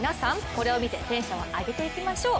これを見てテンションを上げていきましょう。